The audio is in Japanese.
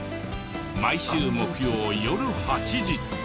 毎週木曜よる８時。